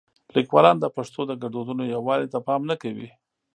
لیکوالان د پښتو د ګړدودونو یووالي ته پام نه کوي.